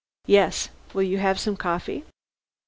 "Yes! Will you have some coffee?"